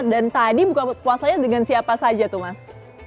dan tadi buka puasanya dengan siapa saja tuh mas